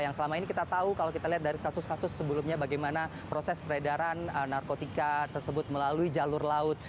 yang selama ini kita tahu kalau kita lihat dari kasus kasus sebelumnya bagaimana proses peredaran narkotika tersebut melalui jalur laut